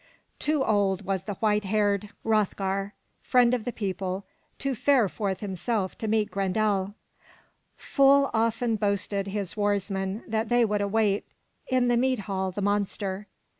Too old was the white haired Hroth'gar, friend of the people, to fare forth himself to meet Grendel. Full often boasted his warsmen that they would await in the mead hall the monster.